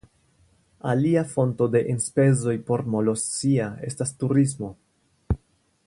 Alia fonto de enspezoj por Molossia estas turismo.